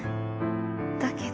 だけど」。